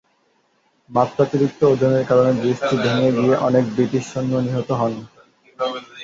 মাত্রাতিরিক্ত ওজনের কারণে ব্রিজটি ভেঙ্গে গিয়ে অনেক ব্রিটিশ সৈন্য নিহত হন।